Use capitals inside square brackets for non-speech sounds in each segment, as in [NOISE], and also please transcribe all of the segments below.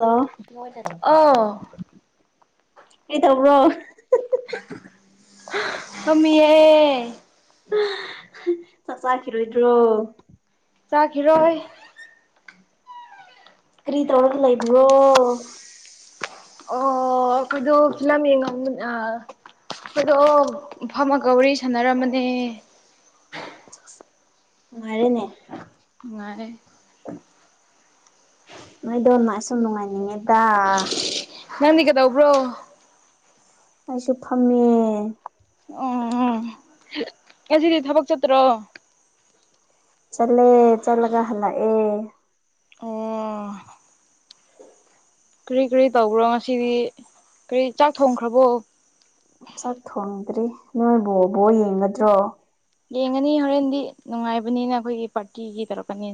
ꯑ [UNINTELLIGIBLE] ꯑꯧ [UNINTELLIGIBLE] ꯐꯝꯃꯤꯌꯦ ꯆꯥꯛ ꯆꯥꯈꯤꯔꯣꯢꯗ꯭ꯔꯣ ꯆꯥꯈꯤꯔꯣꯍꯩ ꯀ꯭ꯔꯤ ꯇꯧꯔꯒ ꯂꯩꯕ꯭ꯔꯣ [UNINTELLIGIBLE] ꯑꯈꯣꯢꯗꯣ ꯐꯝꯃꯒ ꯋꯥꯔꯤ ꯁꯥꯟꯅꯔꯝꯕꯅꯦ ꯅꯨꯡꯉꯥꯏꯔꯦꯅꯦ ꯉꯅꯨꯡꯉꯥꯏ [UNINTELLIGIBLE] ꯅꯣꯏꯗꯧꯅ ꯑꯩꯁꯨ ꯅꯨꯡꯉꯥꯏꯅꯤꯡꯉꯦꯗ ꯅꯪꯗꯤ ꯀꯩꯗꯧꯕ꯭ꯔꯣ ꯑꯩꯁꯨ ꯐꯝꯃꯤꯌꯦ [UNINTELLIGIBLE] ꯉꯁꯤꯗꯤ ꯊꯕꯛ ꯆꯠꯇ꯭ꯔꯣ ꯆꯠꯂꯦ ꯆꯠꯂꯒ ꯍꯂꯛꯑꯦ ꯑꯣ ꯀꯔꯤ ꯀꯔꯤ ꯇꯧꯕ꯭ꯔꯣ ꯉꯁꯤꯗꯤ ꯀꯔꯤ ꯆꯥꯛ ꯊꯣꯡꯈ꯭ꯔꯕꯣ ꯆꯥꯛ ꯊꯣꯡꯗ꯭ꯔꯤ ꯅꯣꯏꯕꯣ ꯕꯣꯜ ꯌꯦꯡꯒꯗ꯭ꯔꯣ ꯌꯦꯡꯒꯅꯤ ꯍꯣꯔꯦꯟꯗꯤ ꯅꯨꯡꯉꯥꯏꯕꯅꯤꯅ ꯑꯩꯈꯣꯏꯒꯤ ꯄꯥꯔꯇꯤꯒꯤ ꯇꯧꯔꯛꯀꯅꯤ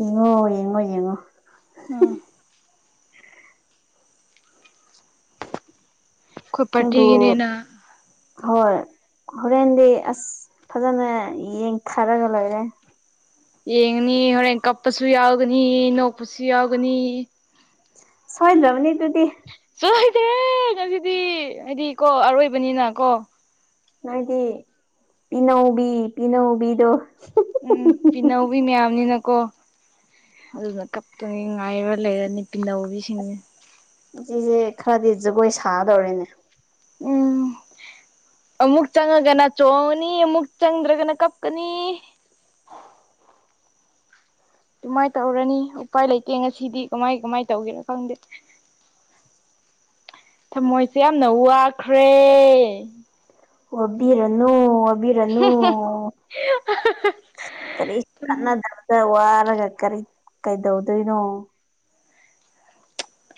ꯌꯦꯡꯉꯣ ꯌꯦꯡꯉꯣ ꯌꯦꯡꯉꯣ ꯎꯝ ꯑꯩꯈꯣꯏ ꯑꯗꯨꯗꯣ [UNINTELLIGIBLE] ꯄꯥꯔꯇꯤꯒꯤꯅꯤꯅ ꯍꯣꯏ ꯍꯣꯔꯦꯟꯗꯤ ꯑꯁ ꯐꯖꯟꯅ ꯌꯦꯡꯊꯔꯒ ꯂꯣꯏꯔꯦ ꯌꯦꯡꯅꯤ ꯍꯣꯔꯦꯟ ꯀꯞꯄꯁꯨ ꯌꯥꯎꯒꯅꯤ ꯅꯣꯛꯄꯁꯨ ꯌꯥꯎꯒꯅꯤ ꯁꯣꯏꯗ꯭ꯔꯕꯅꯤ ꯑꯗꯨꯗꯤ [UNINTELLIGIBLE] ꯅꯣꯏꯗꯤ ꯄꯤꯅꯧꯕꯤ ꯄꯤꯅꯧꯕꯤꯗꯣ ꯎꯝ ꯄꯤꯅꯧꯕꯤ ꯃꯌꯥꯝꯅꯤꯅꯀꯣ ꯑꯗꯨꯅ ꯀꯛꯇꯅꯤ ꯉꯥꯏꯔ ꯂꯩꯔꯅꯤ ꯄꯤꯅꯥꯧꯤꯁꯤꯡꯁ [UNINTELLIGIBLE] ꯁꯤꯁꯦ ꯈꯔꯗꯤ ꯖꯒꯣꯏ ꯁꯥꯗꯧꯔꯦꯅꯦ ꯎꯝ ꯑꯃꯨꯛ ꯆꯪꯉꯒꯅ ꯆꯣꯡꯉꯅꯤ ꯑꯃꯨꯛ ꯆꯪꯗ꯭ꯔꯒꯅ ꯀꯞꯀꯅꯤ ꯗꯨꯃꯥꯢ ꯇꯧꯔꯅꯤ ꯎꯄꯥꯏ ꯂꯩꯇꯦ ꯉꯁꯤꯗꯤ ꯀꯃꯥꯏ ꯀꯃꯥꯏ ꯇꯧꯗꯣꯢꯅꯣ ꯈꯪꯗꯦ ꯊꯃꯣꯏꯁꯦ ꯌꯥꯝꯅ ꯋꯥꯈ꯭ꯔꯦ ꯋꯕꯤꯔꯅꯨ ꯋꯕꯤꯔꯅꯨ ꯀꯔꯤꯁꯨ ꯀꯥꯟꯅꯗꯕꯗ ꯋꯥꯔꯒ ꯀꯔꯤ ꯀꯩꯗꯧꯗꯣꯏꯅꯣ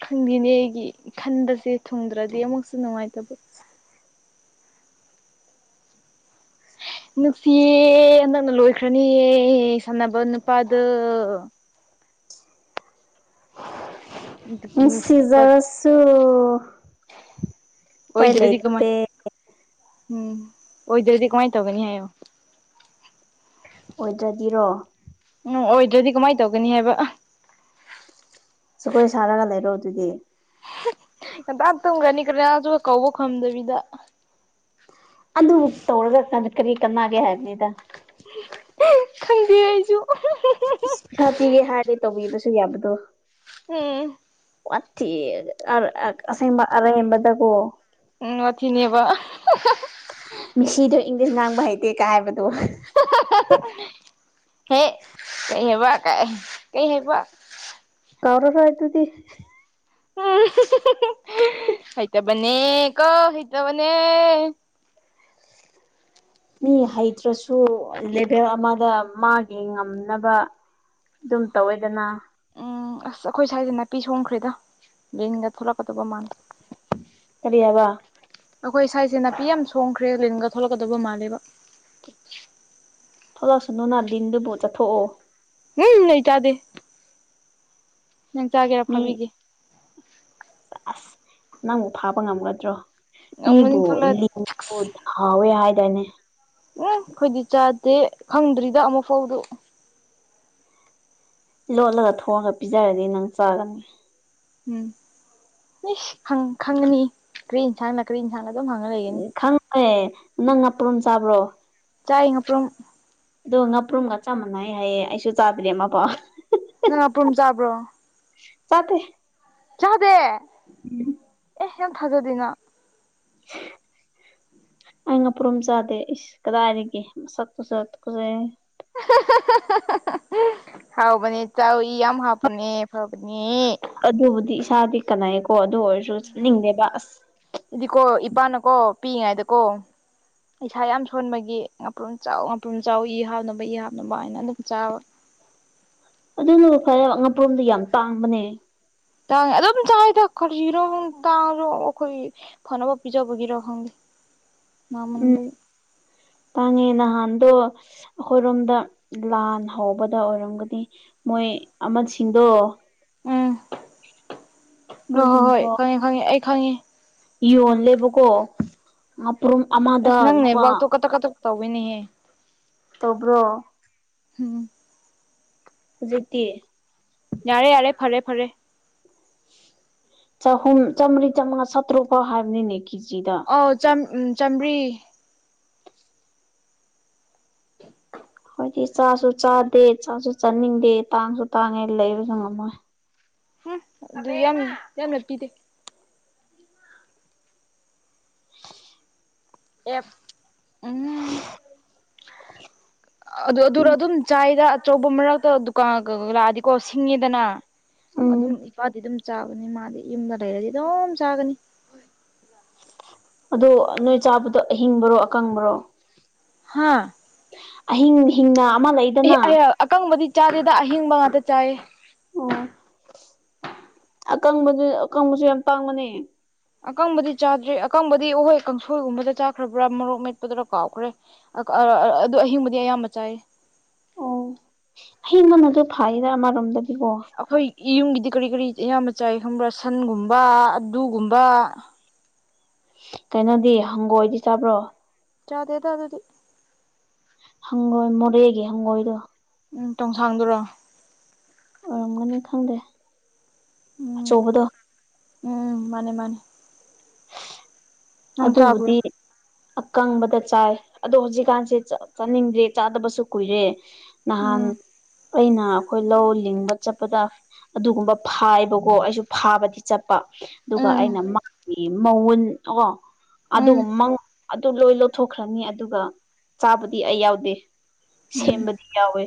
ꯈꯪꯗꯦꯅꯦ ꯑꯩꯒꯤ ꯈꯟꯕꯁꯦ ꯊꯨꯡꯗ꯭ꯔꯗꯤ ꯑꯃꯨꯛꯁꯨ ꯅꯨꯡꯉꯥꯏꯇꯕ ꯅꯨꯡꯁꯤꯌꯦ ꯅꯅꯛꯅ ꯂꯣꯏꯈ꯭ꯔꯅꯤ ꯁꯥꯟꯅꯕ ꯅꯨꯄꯥꯗ ꯑꯗꯨꯒꯤ ꯅꯨꯡꯁꯤꯕ ꯅꯨꯡꯁꯤꯖꯔꯁꯨ ꯄ ꯑꯣꯏꯗ꯭ꯔꯗꯤ ꯀꯃꯥꯏ ꯂꯩꯠꯇ ꯎꯝ ꯑꯣꯏꯗ꯭ꯔꯗꯤ ꯀꯃꯥꯏꯅ ꯇꯧꯒꯅꯤ ꯍꯥꯏꯌꯣ ꯑꯣꯏꯗ꯭ꯔꯗꯤꯔꯣ ꯎꯝ ꯑꯣꯏꯗ꯭ꯔꯗꯤ ꯀꯃꯥꯏꯅ ꯇꯧꯒꯅꯤ ꯍꯥꯏꯕ ꯁꯨꯒꯣꯏ ꯁꯥꯔꯒ ꯂꯩꯔꯣ ꯑꯗꯨꯗꯤ ꯉꯟꯇ ꯇꯨꯝꯒꯅꯤ ꯀꯔꯤꯅꯥꯁꯨ ꯀꯧꯕ ꯈꯝꯗꯕꯤꯗ ꯑꯗꯨ ꯇꯧꯔꯒ ꯀꯔꯤ ꯀꯅꯥꯒꯦ ꯍꯥꯏꯕꯅꯤꯗ ꯈꯪꯗꯦ ꯑꯩꯁꯨ ꯄꯩꯁꯥ ꯄꯤꯒꯦ ꯍꯥꯏꯔꯦ ꯇꯧꯕꯤꯕꯁꯨ ꯌꯥꯕꯗꯣ ꯎꯝ ꯋꯥꯊꯤ ꯑꯁꯦꯡꯕ ꯑꯔꯦꯝꯕꯗꯀꯣ ꯎꯝ ꯋꯥꯅꯦꯕ ꯃꯤꯁꯤꯗꯣ ꯏꯪꯂꯤꯁ ꯉꯥꯡꯕ ꯍꯩꯇꯦ ꯀ ꯍꯥꯏꯕꯗꯣ ꯍꯦ ꯀꯩ ꯍꯥꯏꯕ ꯀ ꯀꯩ ꯍꯥꯏꯕ ꯀꯧꯔꯁꯨ ꯍꯥꯏꯥꯏ ꯇꯗꯤ ꯍꯇ ꯃꯅꯦ ꯀ ꯍꯇ ꯃꯅꯦ ꯃꯤ ꯍꯩꯇ꯭ꯔꯁꯨ ꯂꯦꯚꯦꯜ ꯑꯃꯗ ꯃꯥꯒꯤ ꯉꯝꯅꯕ ꯑꯗꯨꯝ ꯇꯧꯋꯦꯗꯅ ꯎꯝ ꯑꯁ ꯑꯩꯈꯣꯏ ꯁ꯭ꯋꯥꯏꯁꯦ ꯅꯥꯄꯤ ꯁꯣꯡꯈ꯭ꯔꯦꯗ ꯕꯔꯤꯟꯒ ꯊꯂꯛꯀꯗꯕ ꯃꯥꯜꯂꯦ ꯀꯔꯤ ꯍꯥꯏꯕ ꯑꯩꯈꯣꯏ ꯁꯥꯏꯁꯦ ꯅꯥꯄꯤ ꯌꯥꯝ ꯁꯣꯡꯈ꯭ꯔꯦ ꯂꯤꯟꯒ ꯊꯣꯛꯂꯛꯀꯗꯕ ꯃꯥꯜꯂꯦꯕ ꯊꯣꯛꯂꯛꯑꯁꯨꯅꯨ ꯅ ꯗꯤꯟꯗꯨꯕꯨ ꯆꯠꯊꯣꯛꯑꯣ ꯎꯝ ꯂꯩꯇꯥꯗꯦ ꯅꯪ ꯆꯥꯒꯦꯔꯥ ꯃꯤ ꯐꯥꯕꯤꯒꯦ ꯑꯁ ꯅꯪꯕꯨ ꯐꯥꯕ ꯉꯝꯒꯗ꯭ꯔꯣ ꯉꯝꯒꯅꯤ ꯃꯤꯕꯨ ꯊꯣꯛꯂꯛꯑꯗꯤ ꯁꯛꯁ ꯍꯥꯎꯋꯦ ꯍꯥꯏꯗꯅꯦ ꯎꯝ ꯑꯩꯈꯣꯏꯗꯤ ꯆꯥꯗꯦ ꯈꯪꯗ꯭ꯔꯤꯗ ꯑꯃꯨꯛ ꯐꯥꯎꯗꯨ ꯂꯣꯠꯂꯒ ꯊꯣꯡꯑꯒ ꯄꯤꯖꯔꯗꯤ ꯅꯪ ꯆꯥꯒꯅꯤ ꯎꯝ ꯃꯤꯁ ꯈꯪꯉꯅꯤ ꯀꯔꯤ ꯏꯟꯁꯥꯡꯅ ꯀꯔꯤ ꯌꯦꯟꯁꯥꯡꯅ ꯑꯗꯨꯝ ꯍꯪꯉ ꯂꯩꯒꯅꯤ ꯈꯪꯉꯦ ꯅꯪ ꯅꯄ꯭ꯔꯣꯝ ꯆꯥꯕ꯭ꯔꯣ ꯆꯥꯏ ꯑꯄ꯭ꯔꯝ ꯑꯗꯣ ꯉꯥꯄ꯭ꯔꯨꯝꯒ ꯆ ꯃꯥꯟꯅꯩ ꯍꯥꯏꯌꯦ ꯑꯩꯁꯨ ꯆꯥꯗ꯭ꯔꯦ ꯃꯥ ꯄ ꯅꯪ ꯃꯄ꯭ꯔꯨꯝ ꯆꯥꯕ꯭ꯔꯣ ꯆꯗꯦ ꯀꯗꯦ ꯎꯝ ꯑꯦ ꯍꯦꯅ ꯊꯥꯖꯗꯅ [INAUDIBLE] ꯑꯩ ꯉ ꯄꯨ꯭ꯔꯨꯝ ꯆꯥꯗꯦ ꯏꯁ ꯀꯗꯥꯏꯔꯤꯒꯦ ꯃꯁꯄꯨ ꯁ ꯀꯨꯁ ꯍꯥꯎꯕꯅꯦ ꯆꯥꯎꯏ ꯌꯥꯝ ꯍꯥꯞꯄꯅꯦ ꯐꯕꯅꯦ ꯑꯗꯨꯕꯨꯗꯤ ꯏꯁꯥꯗꯤ ꯀꯥꯟꯅꯩꯀꯣ ꯑꯗꯨ ꯑꯣꯏꯔꯁꯨ ꯆꯠꯅꯤꯡꯉꯦꯕ ꯑꯁ ꯏꯗꯤꯀꯣ ꯏꯄꯥꯅꯀꯣ ꯄꯤꯛꯏꯉꯥꯏꯗꯀꯣ ꯏꯁꯥ ꯌꯥꯝ ꯁꯣꯟꯕꯒꯤ ꯉꯥꯄ꯭ꯔꯨꯝ ꯆꯥꯎ ꯉꯥꯄ꯭ꯔꯨꯝ ꯆꯥꯎ ꯏ ꯍꯥꯞꯅꯕ ꯏ ꯍꯥꯞꯅꯕ ꯍꯥꯏꯅ ꯑꯗꯨꯝ ꯆꯥꯕ ꯑꯗꯨꯅꯕꯨ ꯐꯔꯦ ꯑꯉꯛꯄꯔꯣꯝꯗ ꯌꯥꯝ ꯇꯥꯡꯕꯅꯦ ꯇꯥꯡꯉꯦ ꯑꯗꯣꯝ ꯆꯥꯏꯗ ꯈꯔꯁꯤꯔꯣ ꯇꯥꯡꯉꯔꯣ ꯑꯩꯈꯣꯏ ꯐꯅꯕ ꯄꯤꯖꯕꯒꯤꯔꯣ ꯈꯪꯗꯦ [INAUDIBLE] ꯃꯥꯃꯟꯗ ꯇꯉꯦ ꯅꯍꯥꯟꯗꯣ ꯑꯩꯈꯣꯏꯔꯣꯝꯗ ꯂꯥꯟ ꯍꯧꯕꯗ ꯑꯣꯏꯔꯝꯒꯗꯤ ꯃꯣꯏ ꯑꯃꯁꯤꯡꯗꯣ ꯎꯝ ꯍꯣꯏ ꯍꯣꯏ ꯃꯣꯏꯁꯤꯡꯗꯣ ꯍꯣꯏ ꯈꯪꯉꯦ ꯈꯪꯉꯦ ꯑꯩ ꯈꯪꯉꯦ ꯌꯣꯜꯂꯦꯕꯀꯣ ꯉꯥꯄ꯭ꯔꯨꯝ ꯑꯃꯗ ꯂꯨꯄꯥ ꯇꯧꯋꯦꯅꯦ ꯇꯧꯕ꯭ꯔꯣ ꯍꯨꯝ ꯍꯨꯖꯤꯛꯇꯤ ꯌꯥꯔꯦ ꯌꯥꯔꯦ ꯐꯔꯦ ꯐꯔꯦ ꯆꯍꯨꯝ ꯆꯥꯝꯃꯔꯤ ꯆꯃꯉꯥ ꯁꯇꯔꯨꯛ ꯐꯥꯎ ꯍꯥꯏꯕꯅꯤꯅꯦ ꯀꯦꯖꯤꯗ ꯑꯥꯎ ꯆꯥꯝꯃ꯭ꯔꯤ [UNINTELLIGIBLE] ꯍꯣꯏꯗꯤ ꯆꯥꯁꯨ ꯆꯥꯗꯦ ꯆꯥꯁꯨ ꯆꯥꯅꯤꯡꯗꯦ ꯇꯥꯡꯁꯨ ꯇꯥꯡꯉꯦ ꯂꯩꯕꯁꯨ ꯉꯝꯗꯦ ꯍꯨꯝ ꯑꯗꯨ ꯌꯥꯝ ꯌꯥꯝꯅ ꯄꯤ ꯑꯦꯐ ꯎꯝ ꯑꯗꯨ ꯑꯗꯨꯔ ꯑꯗꯨꯝ ꯆꯥꯏꯗ ꯑꯆꯧꯕ ꯃꯔꯛꯇꯥ ꯂꯥꯛꯑꯗꯤꯀꯣ ꯁꯤꯡꯉꯦꯗꯅ ꯎꯝ ꯑꯗꯨꯝ ꯏꯄꯥꯗꯤ ꯑꯗꯨꯝ ꯆꯥꯕꯅꯤ ꯃꯥꯗꯤ ꯌꯨꯝꯗ ꯂꯩꯔꯗꯤ ꯑꯗꯨꯝ ꯆꯥꯒꯅꯤ ꯑꯗꯣ ꯅꯣꯏ ꯆꯥꯕꯗꯣ ꯑꯍꯤꯡꯕꯔꯣ ꯑꯀꯪꯕꯔꯣ ꯍꯥꯥ ꯑꯍꯤꯡ ꯍꯤꯡꯅ ꯑꯃ ꯂꯩꯗꯅ ꯑꯀꯪꯕꯗꯤ ꯆꯥꯗꯦꯗ ꯑꯍꯤꯡꯕ ꯉꯥꯛꯇ ꯆꯥꯏꯌꯦ ꯑꯣ ꯑꯀꯪꯕꯗꯨ ꯑꯀꯪꯕꯁꯨ ꯌꯥꯝ ꯇꯥꯡꯕꯅꯦ ꯑꯀꯪꯕꯗꯤ ꯆꯥꯗ꯭ꯔꯤ ꯑꯀꯪꯕꯗꯤ ꯑꯍꯣꯏ ꯀꯥꯡꯁꯣꯏꯒꯨꯝꯕꯗ ꯆꯥꯈ꯭ꯔꯕ꯭ꯔꯥ ꯃꯔꯣꯛ ꯃꯦꯠꯄꯗꯔꯥ ꯀꯥꯎꯈ꯭ꯔꯦ [UNINTELLIGIBLE] ꯑꯗꯨ ꯑꯍꯤꯡꯕꯗꯤ ꯑꯌꯥꯝꯕ ꯆꯥꯏ ꯑꯣ ꯑꯍꯤꯡꯕꯅꯁꯨ ꯐꯩꯗ ꯑꯃꯔꯣꯝꯗꯗꯤꯀꯣ ꯑꯩꯈꯣꯏ ꯌꯨꯝꯒꯤꯗꯤ ꯀꯔꯤ ꯀꯔꯤ ꯑꯌꯥꯝꯕ ꯆꯥꯏ ꯈꯪꯕ꯭ꯔꯥ ꯁꯟꯒꯨꯝꯕ ꯑꯗꯨꯒꯨꯝꯕ ꯀꯩꯅꯣꯗꯤ ꯍꯪꯒꯣꯏꯗꯤ ꯆꯥꯕ꯭ꯔꯣ ꯆꯥꯗꯦꯗꯥ ꯑꯗꯨꯗꯤ ꯍꯥꯉꯣꯏ ꯃꯣꯔꯦꯒꯤ ꯍꯥꯉꯣꯏꯗꯣ ꯎꯝ ꯇꯣꯡꯁꯥꯡꯗꯨꯔꯣ ꯑꯣꯏꯔꯝꯒꯅꯤ ꯈꯪꯗꯦ ꯎꯝ ꯑꯆꯧꯕꯗꯣ ꯎꯝ ꯃꯥꯅꯦ ꯃꯥꯅꯦ ꯅꯪ ꯆꯥꯕ꯭ꯔꯣ ꯑꯗꯨꯕꯨꯗꯤ ꯑꯀꯪꯕꯗꯥ ꯆꯥꯏ ꯑꯗꯣ ꯍꯧꯖꯤꯛꯀꯥꯟꯁꯦ ꯆꯥꯅꯤꯡꯗ꯭ꯔꯦ ꯆꯥꯗꯕꯁꯨ ꯀꯨꯏꯔꯦ ꯅꯍꯥꯟ ꯎꯝ ꯑꯩꯅ ꯑꯩꯈꯣꯏ ꯂꯧ ꯂꯤꯡꯕ ꯆꯠꯄꯗ ꯑꯗꯨꯒꯨꯝꯕ ꯐꯥꯏꯕꯀꯣ ꯑꯩꯁꯨ ꯐꯥꯕꯗꯤ ꯆꯠꯄ ꯑꯗꯨꯒ ꯎꯝ ꯑꯩꯅ ꯃꯥꯒꯤ ꯃꯋꯨꯟ [UNINTELLIGIBLE] ꯎꯝ ꯑꯗꯨꯒ ꯃꯪ ꯑꯗꯨ ꯂꯣꯏ ꯂꯧꯊꯣꯛꯈ꯭ꯔꯅꯤ ꯑꯗꯨꯒ ꯆꯥꯕꯗꯤ ꯑꯩ ꯌꯥꯎꯗꯦ ꯎꯝ ꯁꯦꯝꯕꯗꯤ ꯌꯥꯎꯋꯦ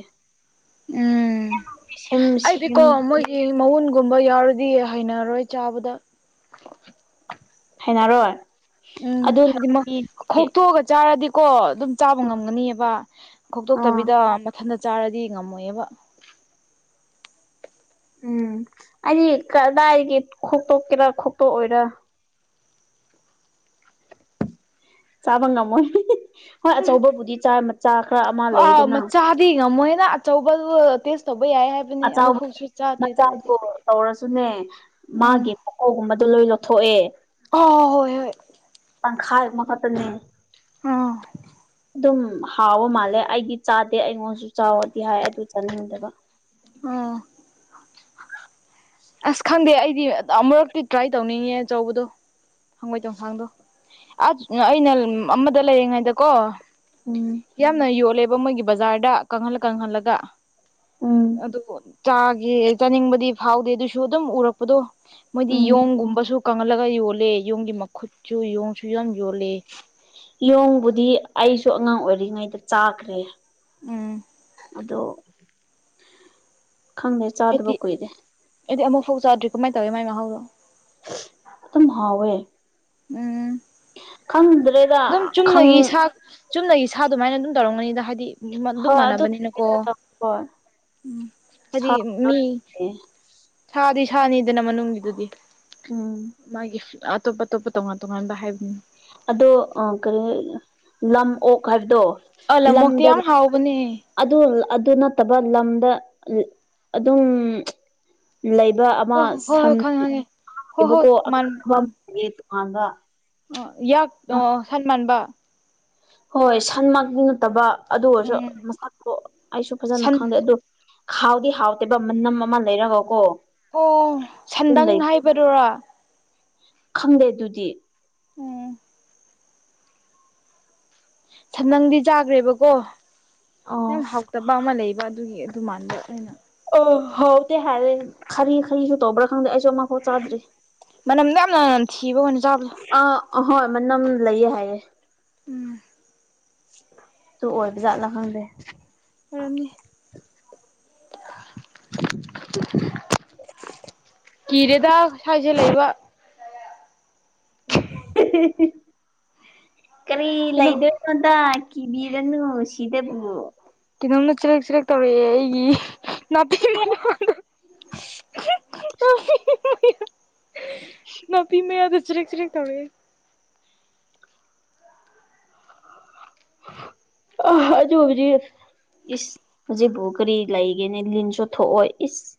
ꯁꯦꯝ ꯎꯝ ꯁꯦꯝ ꯑꯩꯗꯤꯀꯣ ꯃꯣꯏꯒꯤ ꯃꯎꯟ ꯒꯨꯝꯕ ꯌꯥꯎꯔꯗꯤ ꯍꯩꯅꯔꯔꯣꯏ ꯆꯥꯕꯗ ꯍꯩꯅꯔꯣꯏ ꯎꯝ ꯑꯗꯨꯅ ꯍꯥꯏꯗꯤ ꯈꯣꯛꯇꯣꯛꯑꯒ ꯆꯥꯔꯗꯤꯀꯣ ꯑꯗꯨꯝ ꯆꯥꯕ ꯉꯝꯒꯅꯤꯕ ꯑꯥ ꯈꯣꯛꯇꯣꯛꯇꯕꯤꯗ ꯃꯊꯟꯇ ꯆꯥꯔꯗꯤ ꯉꯝꯃꯣꯏꯕꯥ ꯎꯝ ꯑꯩꯗꯤ ꯀꯗꯥꯏꯗꯒꯤ ꯈꯣꯛꯇꯣꯛꯀꯦꯔꯥ ꯈꯣꯛꯇꯣꯛꯑꯣꯏꯔꯥ ꯆꯥꯕ ꯉꯝꯃꯣꯏ ꯍꯣꯏ ꯑꯆꯧꯕꯕꯨꯗꯤ ꯆꯥ ꯆꯥꯈꯔꯦ ꯑꯃꯥ ꯍꫭꯏ ꯃꯆꯥꯗꯤ ꯉꯝꯃꯣꯏꯗꯥ ꯑꯆꯧꯕꯕꯨ ꯇꯦꯁ ꯇꯧꯕ ꯌꯥꯏ ꯍꯥꯏꯕꯅꯤ ꯑꯆꯥꯎꯕ ꯑꯃꯨꯛꯐꯥꯎꯁꯨ ꯆꯥꯗ꯭ꯔꯤꯗ ꯑꯩꯗꯤ ꯃꯆꯥꯗꯣ ꯇꯧꯔꯁꯨꯅꯦ ꯎꯝ ꯃꯥꯒꯤ ꯃꯀꯣꯛꯒꯨꯝꯕꯗꯣ ꯂꯣꯏ ꯂꯧꯊꯣꯛꯑꯦ ꯑꯣ ꯍꯣꯏ ꯍꯣꯏ ꯇꯪꯈꯥꯏ ꯑꯃ ꯈꯠꯇꯅꯦ ꯑꯥ ꯗꯨꯝ ꯍꯥꯎꯕ ꯃꯥꯜꯂꯦ ꯑꯩꯗꯤ ꯆꯥꯗꯦ ꯑꯩꯉꯣꯟꯁꯨ ꯆꯥꯎ ꯑ ꯗꯤ ꯍꯥꯏ ꯑꯗꯨ ꯆꯥꯅꯤꯡꯗꯕ ꯎꯝ ꯑꯁ ꯈꯪꯗꯦ ꯑꯩꯗꯤ ꯑꯃꯨꯔꯛꯇꯤ ꯇ꯭ꯔꯥꯏ ꯇꯧꯅꯤꯡꯉꯦ ꯑꯆꯧꯕꯗꯣ꯫ ꯍꯪꯒꯣꯏ ꯆꯣꯡꯁꯥꯡꯗꯣ ꯑꯁ ꯑꯩꯅ ꯑꯃꯗ ꯂꯩꯔꯤꯉꯩꯗꯀꯣ ꯎꯝ ꯌꯥꯝꯅ ꯌꯣꯜꯂꯦꯕ ꯃꯣꯏꯒꯤ ꯕꯖꯥꯔꯗ ꯀꯪꯍꯜꯂ ꯀꯪꯍꯜꯂꯒ ꯎꯝ ꯑꯗꯨꯕꯨ ꯆꯥꯒꯦ ꯆꯥꯅꯤꯡꯕꯗꯤ ꯐꯥꯎꯗꯦ ꯑꯗꯨꯁꯨ ꯑꯗꯨꯝ ꯎꯔꯛꯄꯗꯨ ꯃꯣꯏꯗꯤ ꯎꯝ ꯌꯣꯡꯒꯨꯝꯕꯁꯨ ꯀꯪꯍꯜꯂꯒ ꯌꯣꯜꯂꯦ ꯌꯣꯡꯒꯤ ꯃꯈꯨꯠꯁꯨ ꯌꯣꯡꯁꯨ ꯌꯝ ꯌꯣꯜꯂꯦ ꯌꫭꯡꯕꯨꯗꯤ ꯑꯩꯁꯨ ꯑꯉꯥꯡ ꯑꯣꯏꯔꯤꯉꯩꯗ ꯆꯥꯈ꯭ꯔꯦ꯫ ꯎꯝ ꯑꯗꯣ ꯈꯪꯗꯦ ꯆꯥꯗꯕ ꯑꯩꯗꯤ ꯀꯨꯏꯔꯦ ꯑꯩꯗꯤ ꯑꯃꯨꯐꯥꯎ ꯆꯥꯗ꯭ꯔꯤ ꯀꯃꯥꯏꯟ ꯇꯧꯋꯦ ꯃꯥꯏ ꯃꯍꯥꯎꯗꯣ ꯇꯨꯝ ꯍꯥꯎꯋꯦ ꯎꯝ꯫ ꯈꯪꯗꯔꯦ꯫ ꯗꯨꯝ ꯆꯨꯝꯅꯒꯤ ꯁꯥ ꯆꯨꯝꯅꯒꯤ ꯁꯥ ꯗꯨꯃꯥꯏꯅ ꯗꯨꯝ ꯇꯧꯔꯝꯒꯅꯤꯗ ꯍꯥꯏꯗꯤ ꯑꯗꯨꯝ ꯍꯣꯏ ꯑꯗꯨ ꯃꯥꯟꯅꯕꯅꯤꯅꯀꯣ ꯍꯣꯏ ꯎꯝ ꯍꯥꯏꯗꯤ ꯁꯥ ꯃꯤ ꯁꯥꯗꯤ ꯁꯥꯅꯤꯗꯅ ꯃꯅꯨꯡꯒꯤꯗꯨꯗꯤ ꯎꯝ ꯃꯥꯒꯤ ꯑꯇꯣꯞ ꯑꯇꯣꯞꯄ ꯇꯣꯉꯥꯟ ꯇꯣꯉꯥꯟꯕ ꯍꯥꯏꯕꯅꯤ꯫ ꯑꯗꯣ ꯑ ꯀꯔꯤ ꯂꯝ ꯑꯣꯛ ꯍꯥꯏꯕꯗꯣ꯫ ꯑ ꯂꯝꯃꯣꯛꯇꯤ ꯌꯥꯝ ꯍꯥꯎꯕꯅꯦ꯫ ꯑꯗꯨꯜ ꯑꯗꯨ ꯅꯠꯇꯕ ꯂꯝꯗ ꯑꯗꯨꯝ ꯂꯩꯕ ꯑꯃ ꯍꯣꯏ ꯍꯣꯏ ꯍꯣꯏ ꯁꯟ ꯍꯣꯏ ꯈꯪꯉꯦ ꯈꯪꯉꯦ ꯍꯣꯏ ꯍꯣꯏ ꯑꯩꯕꯀꯣ [UNINTELLIGIBLE] ꯃꯥꯟ ꯇꯣꯉꯥꯟꯕ꯫ ꯑ ꯌꯥꯛ ꯑꯣ ꯁꯟ ꯃꯥꯟꯕ꯫ ꯍꯣꯏ ꯁꯟꯃꯛ ꯅꯠꯇꯕ ꯑꯗꯨ ꯑꯣꯏꯔꯁꯨ ꯎꯝ ꯃꯁꯛꯇꯣ ꯑꯩꯁꯨ ꯐꯖꯅ ꯁꯟ ꯈꯪꯗꯦ ꯑꯗꯨ ꯈꯥꯎꯗꯤ ꯍꯥꯎꯇꯦꯕ ꯃꯅꯝ ꯑꯃ ꯂꯩꯔꯒꯀꯣ꯫ ꯑꯣ ꯑꯗꯨꯝ ꯁꯟꯗꯪ ꯂꯩ ꯍꯥꯏꯕꯗꯨꯔꯣ꯫ ꯈꯪꯗꯦ ꯑꯗꯨꯗꯤ꯫ ꯎꯝ꯫ ꯁꯟꯗꯪꯗꯤ ꯆꯥꯒ꯭ꯔꯦꯕꯀꯣ ꯑꯣ ꯌꯥꯝ ꯍꯥꯎ ꯇꯕ ꯑꯃ ꯂꯩꯕ ꯑꯗꯨꯒꯤ ꯑꯗꯨ ꯃꯥꯟꯕ ꯑꯩꯅ꯫ ꯑ ꯍꯥꯎꯇꯦ ꯍꯥꯏꯔꯦ ꯈꯥꯔꯤ ꯈꯥꯔꯤꯁꯨ ꯇꯧꯕ꯭ꯔꯥ ꯈꯪꯗꯦ ꯑꯩꯁꯨ ꯑꯃꯐꯥꯎ ꯆꯥꯗ꯭ꯔꯤ꯫ ꯃꯅꯝ ꯅ ꯌꯥꯝꯅ ꯊꯤꯕ ꯋꯥꯅꯦ ꯆꯥꯕꯗꯣ꯫ ꯑ ꯑꯍꯣꯏ ꯃꯅꯝ ꯂꯩꯌꯦ ꯍꯥꯏꯌꯦ꯫ ꯎꯝ꯫ ꯇꯨ ꯑꯣꯏꯕꯖꯥꯠꯂꯥ ꯈꯪꯗꯦ꯫ ꯑꯣꯏꯔꯝꯅꯤ [INAUDIBLE] [UNINTELLIGIBLE] ꯀꯤꯔꯦꯗ ꯁ꯭ꯋꯥꯏꯖꯦ ꯂꯩꯕ꯫ [UNINTELLIGIBLE] ꯀꯔꯤ ꯀꯩꯅꯣ ꯂꯩꯗ ꯀꯗꯥꯢ ꯀꯤꯕꯤꯔꯅ ꯁꯤꯗꯕꯨ꯫ ꯀꯤꯅꯣꯝꯅ ꯆꯔꯤꯛ ꯆꯔꯤꯛ ꯇꯧꯔꯛꯑꯦ ꯑꯩꯒꯤ ꯅꯥꯄꯤ [UNINTELLIGIBLE] [UNINTELLIGIBLE] ꯅꯥꯄꯤ ꯃꯌꯥꯗ ꯆꯔꯤꯛ ꯆꯔꯤꯛ ꯇꯧꯔꯛꯑꯦ꯫ ꯑ ꯑꯗꯨꯕꯨꯗꯤ ꯏꯁ ꯍꯧꯖꯤꯛꯕꯨ ꯀꯔꯤ ꯂꯩꯒꯦꯅꯦ ꯂꯤꯟꯁꯨ ꯊꯣꯛꯑꯣꯢ ꯏꯁ꯫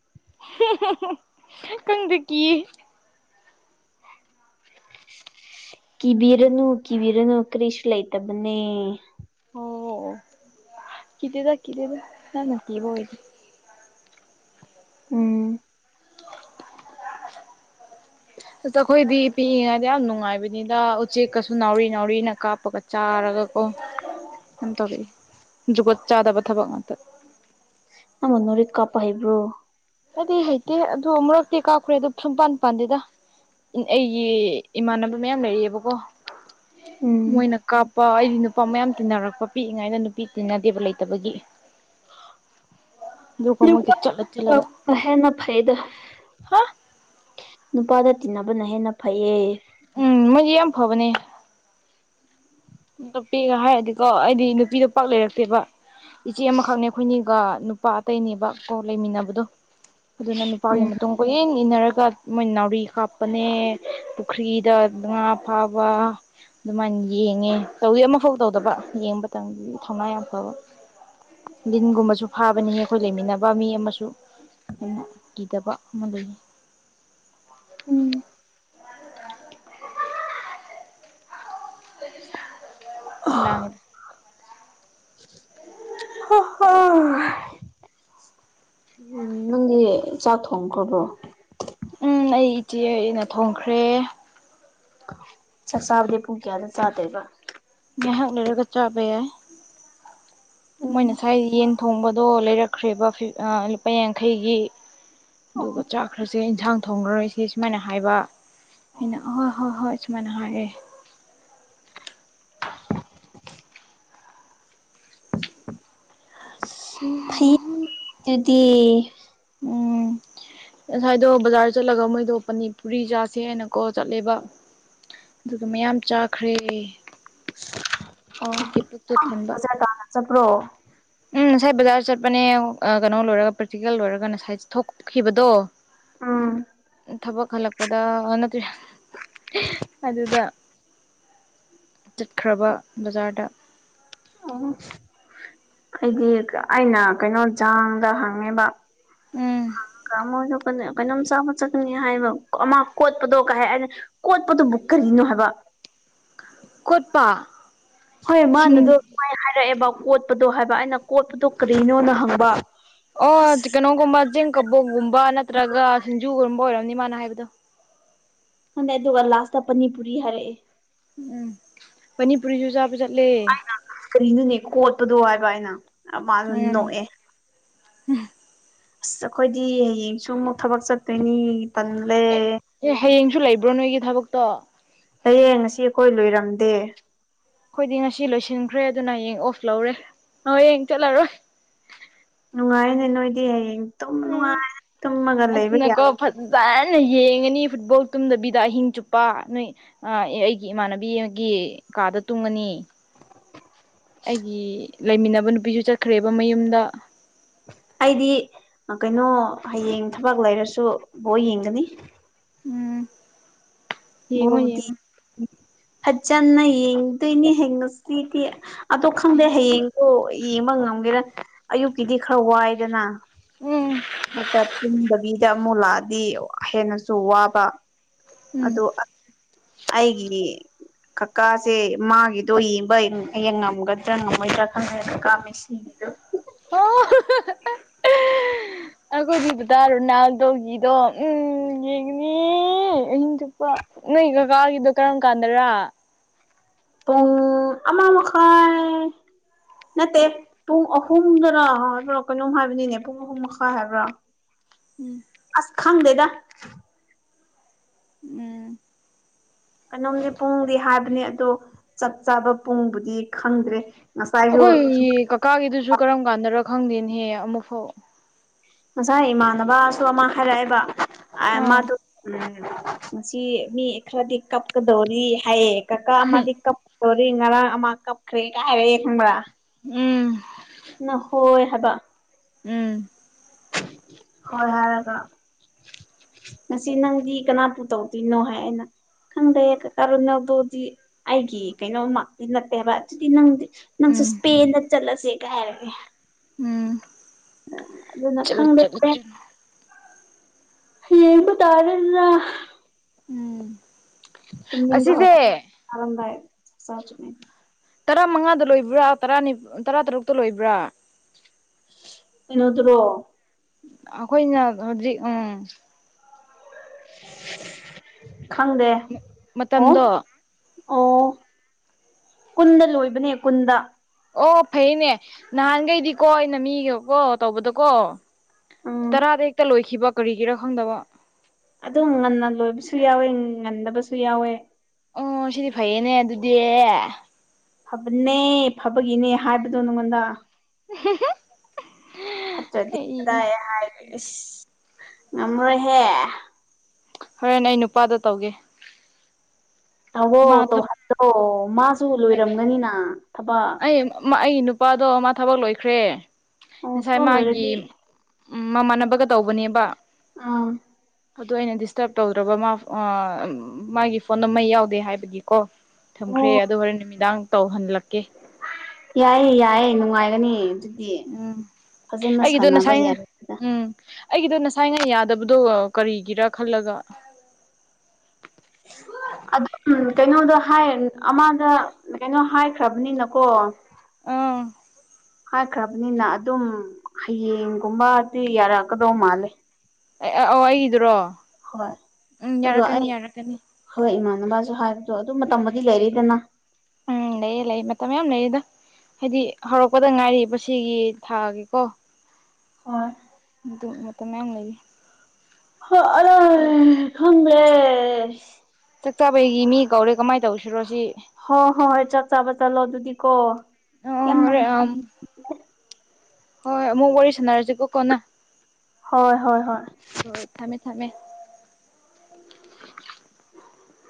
[UNINTELLIGIBLE] ꯈꯪꯗꯦ ꯀꯤꯌꯦ꯫ ꯀꯤꯕꯤꯔꯅꯨ ꯀꯤꯕꯤꯔꯅꯨ ꯀꯔꯤꯁꯨ ꯂꯩꯇꯕꯅꯦ꯫ ꯑꯣ ꯀꯤꯗꯦꯗ ꯀꯤꯗꯦꯗ ꯅꯪꯅ ꯀꯤꯕ ꯑꯣꯢ ꯎꯝ ꯑ ꯑꯩꯈꯣꯏꯗꯤ ꯄꯤꯛꯏꯉꯩꯗ ꯌꯥꯝ ꯅꯨꯡꯉꯥꯏꯕꯅꯤꯗ ꯎꯆꯦꯛꯀꯁꯨ ꯅꯥꯎꯔꯤ ꯅꯥꯎꯔꯤꯅ ꯀꯥꯞꯄꯒ ꯆꯥꯔꯒ ꯑꯣ ꯀ ꯇꯧꯔꯛꯏꯦ ꯖꯨꯒꯣꯠ ꯆꯥꯗꯕ ꯊꯕꯛ ꯉꯥꯛꯇ ꯑꯃ ꯅꯣꯔꯤ ꯀꯄ ꯏꯕ꯭ꯔꯣ ꯑꯩꯗꯤ ꯍꯩꯇꯦ ꯑꯗꯨ ꯑꯃꯨꯔꯛꯇꯤ ꯀꯥꯞꯈ꯭ꯔꯦ ꯑꯗꯨ ꯁꯨꯡꯄꯥꯟ ꯄꯥꯟꯗꯦꯗ ꯑꯩꯒꯤ ꯏꯃꯥꯟꯅꯕ ꯃꯌꯥꯝ ꯂꯩꯔꯤꯑꯕꯀꯣ ꯎꯝ ꯃꯣꯏꯅ ꯀꯥꯞ ꯄ ꯑꯩꯗꯤ ꯅꯨꯄꯥ ꯃꯌꯥꯝ ꯇꯤꯟꯅꯔꯛꯄ ꯄꯤꯛꯏꯉꯥꯏꯗ ꯅꯨꯄꯤ ꯇꯤꯟꯅꯗꯦꯕ ꯂꯩꯇꯕꯒꯤ ꯀꯃꯒꯤ ꯆꯠꯂ ꯆꯂꯒ ꯍꯦꯟꯅ ꯐꯩꯌꯦꯗ ꯅꯨꯄꯥꯗ ꯇꯤꯟꯅꯕꯅ ꯍꯦꯟꯅ ꯐꯩꯌꯦ ꯎꯝ ꯃꯣꯏꯁꯦ ꯌꯥꯝ ꯐꯕꯅꯦ ꯅꯨꯄꯤꯦꯒ ꯍꯥꯏꯔꯗꯤꯀꯣ ꯑꯩꯗꯤ ꯅꯨꯄꯤꯗꯣ ꯄꯥꯛ ꯂꯩꯔꯛꯇꯦꯕ ꯏꯆꯦ ꯑꯃꯈꯛꯅꯦ ꯑꯩꯈꯣꯏꯅꯤꯒ ꯅꯨꯄꯥ ꯑꯇꯩꯅꯦꯕ ꯀꯣ ꯂꯩꯃꯤꯟꯅꯕꯗꯣ ꯑꯗꯨꯅ ꯅꯨꯄꯥꯒꯤ ꯎꯝ ꯃꯇꯨꯡ ꯀꯣꯏꯌꯦꯡ ꯏꯟꯅꯔꯒ ꯃꯣꯏ ꯅꯥꯎꯔꯤ ꯀꯥꯞꯄꯅꯦ ꯄꯨꯈ꯭ꯔꯤꯗ ꯉ ꯉꯥ ꯐꯥꯕ ꯑꯗꯨꯃꯥꯏꯅ ꯌꯦꯡꯉꯦ ꯇꯧꯋꯤ ꯑꯃꯐꯥꯎ ꯇꯧꯗꯕ ꯌꯦꯡꯕ ꯃꯇꯝꯗꯗꯤ ꯊꯧꯅꯥ ꯌꯥꯝ ꯐꯕ ꯗꯤꯟꯒꯨꯝꯕꯁꯨ ꯐꯥꯕꯅꯤ ꯑꯩꯈꯣꯏ ꯂꯩꯃꯤꯟꯅꯕ ꯃꯤ ꯑꯃꯁꯨ ꯑꯩꯅ ꯀꯤꯗꯕ ꯑꯃ ꯂꯩ ꯎꯝ ꯂꯥꯡꯉꯦ [UNINTELLIGIBLE] [UNINTELLIGIBLE] ꯎꯝ ꯅꯪꯗꯤ ꯆꯥꯛ ꯊꯣꯡꯈ꯭ꯔꯕꯣ ꯎꯝ ꯑꯩ ꯏꯆꯦ ꯑꯩꯅ ꯊꯣꯡꯈ꯭ꯔꯦ ꯆꯥꯛ ꯆꯥꯕꯗꯤ ꯄꯨꯨꯡ ꯀꯌꯥꯗ ꯆꯥꯗꯣꯏꯕ ꯉꯥꯏꯍꯥꯛ ꯂꯩꯔꯒ ꯆꯥꯕ ꯌꯥꯏ ꯎꯝ ꯃꯣꯏ ꯅꯁꯥꯏ ꯌꯦꯟ ꯊꯣꯡꯕꯗꯣ ꯂꯩꯔꯛꯈ꯭ꯔꯦꯕ ꯐꯤꯐ ꯑꯥ ꯂꯨꯄꯥ ꯌꯥꯡꯈꯩꯒꯤ ꯑꯣ ꯑꯗꯨꯒ ꯆꯥꯛꯈ꯭ꯔꯁꯦ ꯏꯟꯁꯥꯡ ꯊꯣꯡꯉꯔꯣꯏꯁꯦ ꯁꯨꯃꯥꯏꯅ ꯍꯥꯏꯕ ꯑꯩꯅꯥ ꯍꯣꯏ ꯍꯣꯏ ꯍꯣꯏ ꯁꯨꯃꯥꯏꯅ ꯍꯥꯏꯌꯦ ꯍꯨꯝ ꯐꯩ ꯑꯗꯨꯗꯤ ꯎꯝ ꯉꯁꯥꯏꯗꯣ ꯕꯖꯥꯔ ꯆꯠꯂꯒ ꯃꯣꯏꯗꯣ ꯄꯅꯤꯄꯨꯔꯤ ꯆꯥꯁꯦ ꯍꯥꯏꯅ ꯀꯣ ꯆꯠꯂꯦꯕ ꯑꯗꯨꯒ ꯃꯌꯥꯝ ꯆꯥꯈ꯭ꯔꯦ ꯑꯣ ꯑꯗꯨꯒꯤ ꯄꯨꯛꯇꯣ ꯊꯟꯕ ꯕꯖꯥꯔ ꯆꯠꯄ꯭ꯔꯣ ꯎꯝ ꯅꯁꯥꯏ ꯕꯖꯥꯔ ꯆꯠꯄꯅꯦ ꯑꯥ ꯀꯩꯅꯣ ꯂꯣꯏꯔꯒ ꯄ꯭ꯔꯦꯛꯇꯤꯀꯦꯜ ꯂꯣꯏꯔꯒ ꯅꯁꯥꯏ ꯊꯣꯛ ꯈꯤꯕꯗꯣ ꯎꯝ ꯊꯕꯛ ꯍꯜꯂꯛꯄꯗ ꯑ ꯅꯠꯇꯦ ꯑꯗꯨꯗ ꯆꯠꯈ꯭ꯔꯕ ꯕꯖꯥꯔꯗ [UNINTELLIGIBLE] ꯑꯩꯗꯤ ꯑꯩꯅ ꯀꯩꯅꯣ ꯆꯥꯡꯗ ꯍꯪꯉꯦꯕ ꯎꯝ ꯍꯪꯉꯒ ꯃꯣꯏꯗꯨ ꯄꯅꯦ ꯀꯩꯅꯣꯝ ꯆꯥꯕ ꯆꯠꯀꯅꯤ ꯍꯥꯏꯕ ꯑꯃ ꯀꯣꯠꯄꯗꯣ ꯀꯩ ꯍꯥꯏ ꯍꯥꯏꯅꯤ ꯀꯣꯠꯄꯗꯨꯕꯨ ꯀꯔꯤꯅꯣ ꯍꯥꯏꯕ ꯀꯣꯠꯄ ꯍꯣꯏ ꯁꯤꯡ ꯃꯥꯅꯗꯣ ꯀꯥꯏ ꯍꯥꯏꯔꯛꯑꯦꯕ ꯀꯣꯠꯄꯗꯣ ꯍꯥꯏꯕ ꯑꯩꯅ ꯀꯣꯠꯄꯗꯣ ꯀꯔꯤꯅꯣꯅ ꯍꯪꯕ ꯑꯣ ꯑꯁ ꯆꯤ ꯀꯩꯅꯣꯒꯨꯝꯕ ꯆꯦꯡ ꯀꯕꯣꯛꯒꯨꯝꯕ ꯅꯠꯇ꯭ꯔꯒ ꯁꯤꯡꯖꯨꯒꯨꯝꯕ ꯑꯣꯏꯔꯝꯅꯤ ꯃꯥꯅ ꯍꯥꯏꯕꯗꯣ ꯈꯟꯗꯦ ꯑꯗꯨꯒ ꯂꯥꯁꯇ ꯄꯥꯅꯤꯄꯨꯔꯤ ꯍꯥꯏꯔꯛꯑꯦ ꯎꯝ ꯄꯥꯅꯤꯄꯨꯔꯤꯁꯨ ꯆꯥꯕ ꯆꯠꯂꯦ ꯀꯔꯤꯅꯣꯅꯦ ꯀꯣꯠꯄꯗꯣ ꯍꯥꯏꯕ ꯍꯥꯏꯅ ꯃꯥꯁꯨ ꯎꯝ ꯅꯣꯛꯑꯦ ꯑꯁ ꯑꯈꯣꯏꯗꯤ ꯍꯌꯦꯡꯁꯨ ꯑꯃꯨꯛ ꯊꯕꯛ ꯆꯠꯇꯣꯏꯅꯤ ꯇꯜꯂꯦ ꯑꯦ ꯍꯌꯦꯡꯁꯨ ꯂꯩꯕ꯭ꯔꯣ ꯅꯣꯏꯒꯤ ꯊꯕꯛꯇꯣ ꯇꯌꯦꯡ ꯉꯁꯤ ꯑꯩꯈꯣꯏ ꯂꯣꯏꯔꯝꯗꯦ ꯑꯈꯣꯏꯗꯤ ꯉꯁꯤ ꯂꯣꯏꯁꯤꯟꯈ꯭ꯔꯦ ꯑꯗꯨꯅ ꯍꯌꯦꯡ ꯑꯣꯐ ꯂꯧꯔꯦ ꯍꯌꯦꯡ ꯆꯠꯂꯔꯣꯏ ꯅꯨꯡꯉꯥꯏꯅꯦ ꯅꯣꯏꯗꯤ ꯍꯌꯦꯡ ꯇꯨꯝ ꯎꯝ ꯅꯨꯡꯉꯥꯏꯅ ꯇꯨꯝꯃꯒ ꯂꯩꯕ ꯑꯗꯨꯅꯀꯣ ꯌꯥꯏ ꯐꯠ ꯖꯅ ꯌꯦꯡꯉꯅꯤ ꯐꯨꯠꯕꯣꯜ ꯇꯨꯝꯗꯕꯤꯗ ꯑꯍꯤꯡ ꯆꯨꯞꯄ ꯅꯣꯏ ꯑ ꯑꯦ ꯑꯩꯒꯤ ꯏꯃꯥꯟꯅꯕꯤ ꯑꯃꯒꯤ ꯀꯥꯗ ꯇꯨꯝꯒꯅꯤ ꯑꯩꯒꯤ ꯂꯩꯃꯤꯟꯅꯕ ꯅꯨꯄꯤꯁꯨ ꯆꯠꯈ꯭ꯔꯦꯕ ꯃꯌꯨꯝꯗ ꯑꯩꯗꯤ ꯑ ꯀꯩꯅꯣ ꯍꯌꯦꯡ ꯊꯕꯛ ꯂꯩꯔꯁꯨ ꯕꯣꯜ ꯌꯦꯡꯒꯅꯤ ꯎꯝ ꯌꯦꯡꯉꯣ ꯕꯣꯜꯗꯤ ꯌꯦꯡꯉꯣ ꯐꯖꯅ ꯌꯦꯡꯗꯣꯏꯅꯤꯍꯦ ꯉꯁꯤꯗꯤ ꯑꯗꯣ ꯈꯪꯗꯦ ꯍꯌꯦꯡꯗꯣ ꯌꯦꯡꯕ ꯉꯝꯒꯦꯔ ꯑꯌꯨꯛꯀꯤꯗꯤ ꯈꯔ ꯋꯥꯏꯗꯅ ꯎꯝ ꯑꯃꯨꯛꯀ ꯇꯨꯝꯗꯕꯤꯗ ꯑꯃꯨꯛ ꯂꯥꯛꯑꯗꯤ ꯋꯥ ꯍꯦꯟꯅꯁꯨ ꯋꯥꯕ ꯎꯝ ꯑꯗꯣ ꯑ ꯑꯩꯒꯤ ꯀꯀꯥꯁꯦ ꯃꯥꯒꯤꯗꯣ ꯌꯦꯡꯕ ꯌꯦꯡ ꯉꯝꯒꯗ꯭ꯔꯥ ꯉꯝꯃꯣꯏꯗ꯭ꯔꯥ ꯈꯪꯗ꯭ꯔꯦ ꯀꯀꯥ ꯃꯤ ꯁꯤꯗꯣ ꯍꯨꯝ ꯍꯨꯝ ꯑꯣ [UNINTELLIGIBLE] [INAUDIBLE] ꯑꯩꯈꯣꯏꯗꯤ ꯗꯗꯥ ꯔꯣꯅꯥꯜꯗꯣꯒꯤꯗꯣ ꯎꯝ ꯌꯦꯡꯒꯅꯤ ꯑꯍꯤꯡ ꯆꯨꯞꯄ ꯅꯣꯏ ꯀꯀꯥꯒꯤꯗꯣ ꯀꯔꯝ ꯀꯥꯟꯗꯔꯥ ꯄꯨꯡ ꯑꯃ ꯃꯈꯥꯏ ꯅꯠꯇꯦ ꯄꯨꯡ ꯑꯍꯨꯝꯗꯔ ꯍꯥꯏꯕ꯭ꯔꯣ ꯀꯩꯅꯣꯝ ꯍꯥꯏꯕꯅꯤꯅꯦ ꯄꯨꯡ ꯑꯍꯨꯝ ꯃꯈꯥꯏ ꯍꯥꯏꯕ꯭ꯔꯥ ꯎꯝ ꯑꯁ ꯈꯪꯗꯦꯗ ꯎꯝ ꯀꯩꯅꯣꯝꯗꯤ ꯄꯨꯡꯗꯤ ꯍꯥꯏꯕꯅꯦ ꯑꯗꯣ ꯆꯞ ꯆꯥꯕ ꯄꯨꯡꯕꯨꯗꯤ ꯈꯪꯗ꯭ꯔꯦ꯫ ꯉꯁꯥꯏꯁꯨ ꯑꯩꯈꯣꯏ ꯀꯀꯥꯒꯤꯗꯨꯁꯨ ꯀꯔꯝ ꯀꯥꯟꯗꯔ ꯈꯪꯗꯦꯅꯦꯍꯦ ꯑꯃꯨꯛꯐꯥꯎ ꯉꯁꯥꯏ ꯏꯃꯥꯟꯅꯕ ꯁꯨ ꯑꯃ ꯍꯥꯏꯔꯛꯑꯦꯕ ꯑꯦ ꯑꯥ ꯃꯥꯗꯨ- ꯎꯝ ꯉꯁꯤ ꯃꯤ ꯈ꯭ꯔꯗꯤ ꯀꯞꯀꯗꯧꯔꯤ ꯍꯥꯏꯌꯦ ꯀꯥꯀꯥ ꯑꯃꯗꯤ ꯀꯞ ꯗꯣꯔꯤ ꯉꯔꯥꯡ ꯑꯃ ꯀꯞꯈ꯭ꯔꯦ ꯀꯥ ꯍꯥꯏꯔꯛꯑꯦ ꯈꯪꯕ꯭ꯔꯥ ꯎꯝ ꯅꯍꯣꯏ ꯍꯥꯏꯕ ꯎꯝ ꯍꯣꯏ ꯍꯥꯏꯔꯒ ꯉꯁꯤ ꯅꯪꯗꯤ ꯀꯅꯥꯄꯨ ꯇꯧꯗꯨꯏꯅꯣ ꯍꯥꯏ ꯑꯩꯅ ꯈꯪꯗꯦ ꯀꯥꯀꯥ ꯑꯔꯨꯟ ꯑꯗꯨꯗꯤ ꯑꯩꯒꯤ ꯀꯩꯅꯣꯃꯛꯇꯤ ꯅꯠꯇꯦꯕ ꯑꯗꯨꯗꯤ ꯅꯪꯗꯤ ꯅꯪꯁꯨ ꯎꯝ ꯏꯁ꯭ꯄꯦꯟꯗ ꯆꯠꯂꯁꯦꯒ ꯍꯥꯏꯔꯛꯑꯦ ꯎꯝ ꯑ ꯑꯗꯨꯅ ꯆꯠꯂꯨ ꯈꯪꯗꯦ ꯆꯠꯂꯨ ꯄꯦꯟ ꯆꯠꯂꯨ ꯌꯦꯡꯕ ꯇꯥꯔꯦꯗꯅ ꯎꯝ ꯇꯨꯝꯅꯤꯡꯕ ꯑꯁꯤꯁꯦ ꯍꯧꯔꯕ ꯆꯥꯔꯝꯗꯥꯏ ꯆꯥꯛꯆꯥꯗ꯭ꯔꯤꯉꯩꯗ ꯇꯔꯥꯃꯉꯥꯗ ꯂꯣꯏꯕ꯭ꯔꯥ ꯇꯔꯥꯅꯤꯞ ꯑ ꯇꯔꯥꯇꯔꯨꯛꯇ ꯂꯣꯏꯕ꯭ꯔꯥ ꯀꯩꯅꯣꯗꯨꯔꯣ ꯑꯩꯈꯣꯏꯅ ꯍꯧꯖꯤꯛ ꯎꯝ ꯈꯪꯗꯦ ꯑꯣ ꯃꯇꯝꯗꯣ ꯑꯣ ꯀꯨꯟꯗ ꯂꯣꯏꯕꯅꯦ ꯀꯨꯟꯗ ꯑꯣ ꯐꯩꯌꯦꯅꯦ ꯅꯍꯥꯟꯒꯩꯗꯤꯀꯣ ꯑꯩꯅ ꯃꯤꯒꯀꯣ ꯇꯧꯕꯗꯀꯣ ꯎꯝ ꯇꯔꯥꯗ ꯍꯦꯛꯇ ꯂꯣꯏꯈꯤꯕ ꯀꯔꯤꯒꯤꯔꯥ ꯈꯪꯗꯕ ꯑꯗꯨꯝ ꯉꯟꯅ ꯂꯣꯏꯕꯁꯨ ꯌꯥꯎꯋꯦ ꯉꯟꯗꯕꯁꯨ ꯌꯥꯎꯋꯦ ꯑꯣ ꯁꯤꯗꯤ ꯐꯩꯌꯦꯅꯦ ꯑꯗꯨꯗꯤ ꯐꯕꯅꯦ ꯐꯕꯒꯤꯅꯦ ꯍꯥꯏꯕꯗꯣ ꯅꯪꯉꯣꯟꯗ [UNINTELLIGIBLE] ꯐꯠꯇ꯭ꯔꯗꯤ ꯀꯗꯥꯏ ꯍꯥꯏꯈꯦꯁ ꯉꯝꯔꯣꯏꯍꯦ ꯍꯣꯔꯦꯟ ꯑꯩ ꯅꯨꯄꯥꯗ ꯇꯧꯒꯦ ꯇꯧꯑꯣ ꯃꯥ ꯊꯕꯛ ꯇꯧꯍꯟꯂꯣ ꯃꯥꯁꯨ ꯂꯣꯏꯔꯝꯒꯅꯤꯅ ꯊꯕꯛ ꯑꯩ ꯑꯩꯒꯤ ꯅꯨꯄꯥꯗꯣ ꯃꯥ ꯊꯕꯛ ꯂꯣꯏꯈ꯭ꯔꯦ ꯑꯣ ꯉꯁꯥꯏ ꯊꯕꯛ ꯃꯥꯒꯤ ꯂꯣꯏꯔꯗꯤ ꯎꯝ ꯃꯃꯥꯟꯅꯕꯒ ꯇꯧꯕꯅꯦꯕ ꯑꯥ ꯑꯗꯣ ꯑꯩꯅ ꯗꯤꯁꯇꯔꯕ ꯇꯧꯗ꯭ꯔꯕ ꯃꯥ ꯃꯥꯒꯤ ꯐꯣꯟ ꯅ ꯃꯩ ꯌꯥꯎꯗꯦ ꯍꯥꯏꯕꯒꯤꯀꯣ ꯑꯣ ꯊꯝꯈ꯭ꯔꯦ ꯑꯗꯨ ꯍꯣꯔꯦꯟ ꯅꯨꯃꯤꯗꯥꯡ ꯇꯧꯍꯜꯂꯛꯀꯦ ꯌꯥꯏꯌꯦ ꯌꯥꯏꯌꯦ ꯅꯨꯡꯉꯥꯏꯒꯅꯤ ꯑꯗꯨꯗꯤ ꯎꯝ ꯐꯖꯅ ꯑꯩꯒꯤꯗꯣ ꯁꯥꯟꯅꯕ ꯉꯁꯥꯏ ꯌꯥꯏ ꯎꯝ ꯑꯩꯒꯤꯗꯣ ꯉꯁꯥꯏꯅ ꯌꯥꯗꯕꯗꯣ ꯀꯔꯤꯒꯤꯔꯥ ꯈꯜꯂꯒ ꯑꯗꯨꯝ ꯀꯩꯅꯣꯗ ꯍꯥꯏ ꯑꯃꯗ ꯀꯩꯅꯣ ꯍꯥꯏꯈ꯭ꯔꯕꯅꯤꯅꯀꯣ ꯎꯝ ꯍꯥꯏꯈ꯭ꯔꯕꯅꯤꯅ ꯑꯗꯨꯝ ꯍꯌꯦꯡꯒꯨꯝꯕꯗꯤ ꯌꯥꯔꯛꯀꯗꯧ ꯃꯥꯜꯂꯦ ꯑꯦ ꯑꯦ ꯑꫭ ꯑꯩꯒꯤꯗꯨꯔꯣ ꯍꯣꯏ ꯎꯝ ꯑꯗꯨꯒ ꯑꯩ ꯌꯥꯔꯛꯀꯅꯤ ꯌꯥꯔꯛꯀꯅꯤ ꯍꯣꯏ ꯏꯃꯥꯟꯅꯕꯁꯨ ꯍꯥꯏꯕꯗꯣ ꯑꯗꯨ ꯃꯇꯝꯕꯨꯗꯤ ꯂꯩꯔꯤꯗꯅ ꯎꯝ ꯂꯩꯌꯦ ꯂꯩ ꯃ ꯇꯃꯦ ꯌꯥꯝ ꯂꯩꯗ ꯍꯥꯏꯗꯤ ꯍꯧꯔꯛꯄꯗ ꯉꯥꯏꯔꯤꯕ ꯁꯤꯒꯤ ꯊꯥꯒꯤꯀꯣ ꯍꯣꯏ ꯃꯇꯝ ꯂꯩꯒꯤ [UNINTELLIGIBLE] ꯈꯪꯗꯦ ꯆꯥꯛꯇꯥꯕꯩꯒꯤ ꯃꯤ ꯀꯧꯔꯦ ꯀꯃꯥꯏꯅ ꯇꯧꯁꯤꯔꯣ ꯁꯤ ꯍꯣꯏ ꯍꯣꯏ ꯍꯣꯏ ꯆꯞ ꯆꯥꯕ ꯆꯠꯂꯣ ꯑꯗꯨꯗꯤ ꯀꯣ ꯑꯣ ꯌꯥꯝ ꯍꯣꯔꯦꯟ ꯅꯨꯡꯉꯥꯏ ꯍꯣꯏ ꯃꯛ ꯋꯥꯔꯤꯔꯤ ꯁꯅꯔꯁꯤ ꯀꯣ ꯀꯣꯅ ꯍꯣꯏ ꯍꯣꯏ ꯍꯣꯏ ꯍꯣꯏ ꯊꯝꯃꯦ ꯊꯝꯃꯦ